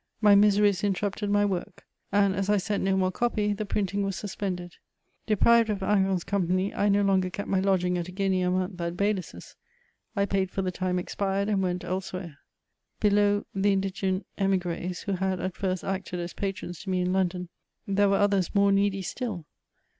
My miseries interrupted my work ; and, as I sent no more copy, the printing was suspended. Deprived of Hingant's company, 1 no longer kept my lodging at a guinea a month, at Baylis's. I paid for the time expired, and went elsewhere. Below the indigent emigreSy who had at first acted as patrons to me in London, there were others more needy still.